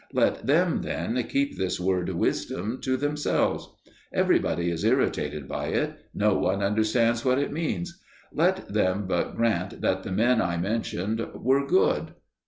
Let them, then, keep this word "wisdom" to themselves. Everybody is irritated by it; no one understands what it means. Let them but grant that the men I mentioned were "good."